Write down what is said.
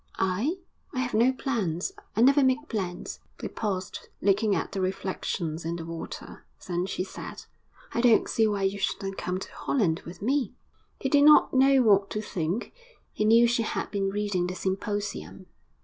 'I? I have no plans.... I never make plans.' They paused, looking at the reflections in the water. Then she said, 'I don't see why you shouldn't come to Holland with me!' He did not know what to think; he knew she had been reading the Symposium.